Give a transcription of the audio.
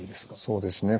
そうですね